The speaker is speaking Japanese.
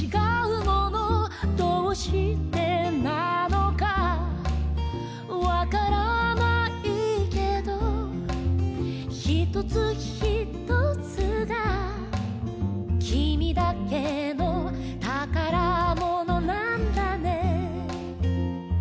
「どうしてなのかわからないけど」「ひとつひとつがきみだけのたからものなんだね」